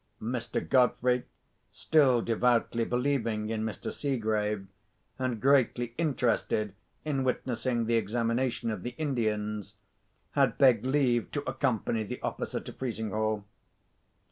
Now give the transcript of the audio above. Mr. Godfrey, still devoutly believing in Mr. Seegrave, and greatly interested in witnessing the examination of the Indians, had begged leave to accompany the officer to Frizinghall.